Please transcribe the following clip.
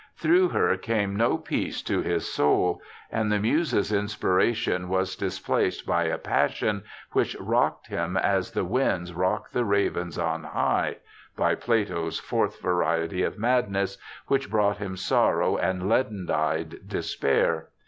Through her came no peace to his soul, and the Muses' inspiration was dis placed by a passion which rocked him as the 'winds rock the ravens on high '— by Plato's fourth variety of madness, which brought him sorrow and 'leaden eyed despair'.